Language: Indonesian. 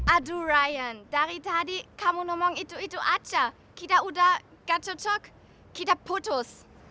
aduh ryan dari tadi kamu ngomong itu itu aca kita udah gak cocok kita putus